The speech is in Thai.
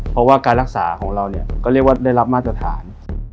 เพราะว่าการรักษาไปก็ได้รับมาตรฐาน